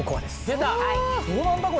出た！